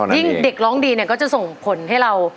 ยิ่งเด็กร้องดีเนี่ยก็จะส่งผลให้เรา